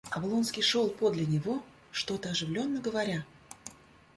Облонский шел подле него, что-то оживленно говоря.